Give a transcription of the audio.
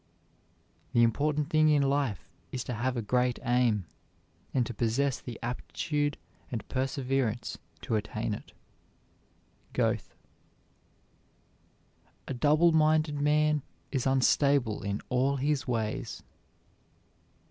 The important thing in life is to have a great aim, and to possess the aptitude and perseverance to attain it. GOETHE. "A double minded man is unstable in all his ways."